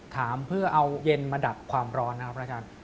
ถามเพื่อเอาเย็นมาดับความร้อนนะครับอาจารย์